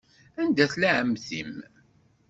Anda tella ɛemmti-m?